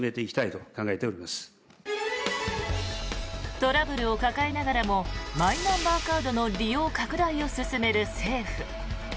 トラブルを抱えながらもマイナンバーカードの利用拡大を進める政府。